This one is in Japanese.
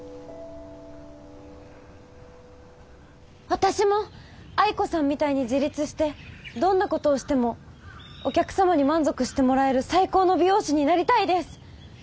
私も愛子さんみたいに自立してどんなことをしてもお客様に満足してもらえる最高の美容師になりたいです。